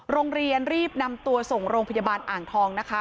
รีบนำตัวส่งโรงพยาบาลอ่างทองนะคะ